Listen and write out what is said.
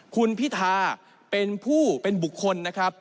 คุณพิธาเป็นผู้เป็นบุคคลนะครับ